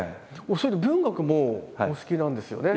それで文学もお好きなんですよね。